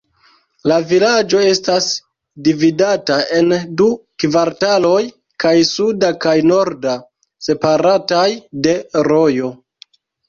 La vilaĝo estas dividata en du kvartaloj, kaj suda kaj norda, separataj de rojo.